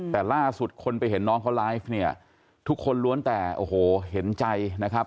แต่ล่าสุดคนไปเห็นน้องเขาไลฟ์เนี่ยทุกคนล้วนแต่โอ้โหเห็นใจนะครับ